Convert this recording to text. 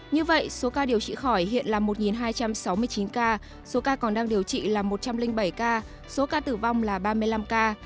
như vậy số ca điều trị khỏi hiện là một hai trăm sáu mươi chín ca số ca còn đang điều trị là một trăm linh bảy ca số ca tử vong là ba mươi năm ca